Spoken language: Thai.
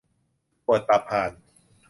ปวดตับห่าน !